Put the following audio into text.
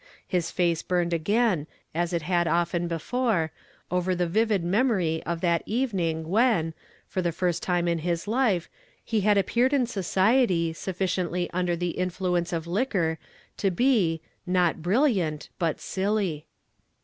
His faee burned again, as it had often before, over tlio vivid nuMnory of that evening when, for tlie first time in his hfe, lie had appeared in soeiety sutlieiently under the inlluence of li(pior to be, not brilliant, but silly.